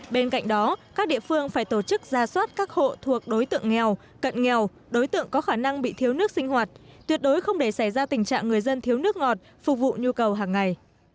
bên cạnh đó các địa phương phải tổ chức ra soát các hộ thuộc đối tượng nghèo cận nghèo đối tượng có khả năng bị thiếu nước sinh hoạt tuyệt đối không để xảy ra tình trạng người dân thiếu nước ngọt phục vụ nhu cầu hàng ngày